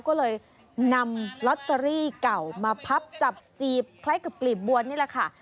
ก็เลยนำลอตเตอรี่เก่ามาพับจับจีบคล้ายกับกลีบบัวนี่แหละค่ะ